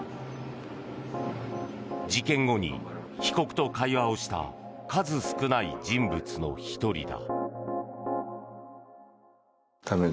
事件後に被告と会話をした数少ない人物の１人だ。